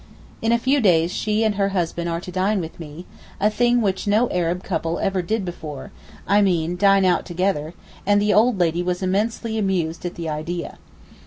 In a few days she and her husband are to dine with me, a thing which no Arab couple ever did before (I mean dine out together), and the old lady was immensely amused at the idea.